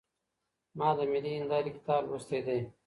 ما د ملي هنداره کتاب لوستی دی.